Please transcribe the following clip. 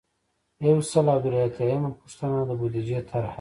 یو سل او درې اتیایمه پوښتنه د بودیجې طرحه ده.